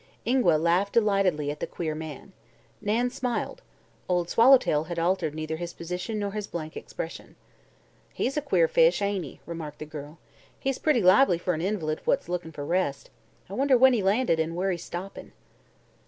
Ingua laughed delightedly at the queer man. Nan smiled. Old Swallowtail had altered neither his position nor his blank expression. "He's a queer fish, ain't he?" remarked the girl. "He's pretty lively for an invalid what's lookin' for rest. I wonder when he landed, an' where he's stoppin'."